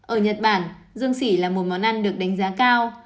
ở nhật bản dương sỉ là một món ăn được đánh giá cao